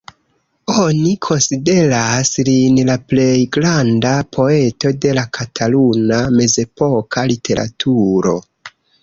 Oni konsideras lin la plej granda poeto de la kataluna mezepoka literaturo.